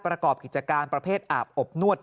ประกอบกิจการประเภทอาบอบนวด